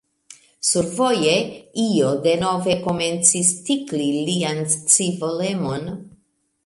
Survoje io denove komencis tikli lian scivolemon.